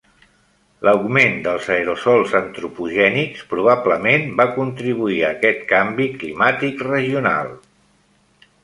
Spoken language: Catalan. L'augment dels aerosols antropogènics probablement va contribuir a aquest canvi climàtic regional.